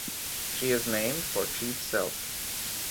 She is named for Chief Sealth.